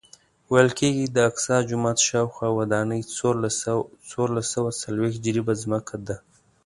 ویل کېږي د اقصی جومات شاوخوا ودانۍ څوارلس سوه څلوېښت جریبه ځمکه ده.